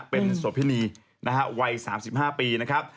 เป็นโสพินีนะฮะวัย๓๕ปีนะครับ